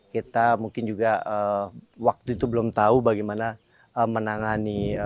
kita mungkin juga waktu itu belum tahu bagaimana menangani